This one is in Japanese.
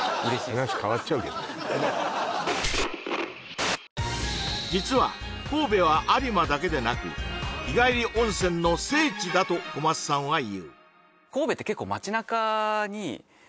話変わっちゃうけど実は神戸は有馬だけでなく日帰り温泉の聖地だと小松さんは言う